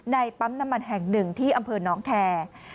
ปั๊มน้ำมันแห่งหนึ่งที่อำเภอน้องแคร์